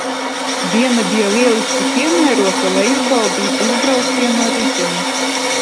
Diena bija lieliski piemērota, lai izbaudītu izbraucienu ar riteni.